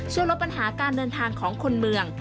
ช่วยลดปัญหาการเดินทางของคนเมือง